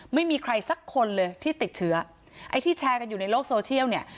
ไม่มีใครสักคนเลยที่ติดเชื้อไอ้ที่แชร์กันอยู่ในโลกโซเชียลเนี่ย